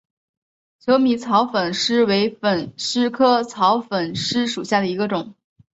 求米草粉虱为粉虱科草粉虱属下的一个种。